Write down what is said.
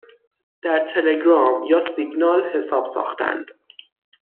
در تلگرام یا سیگنال حساب ساختند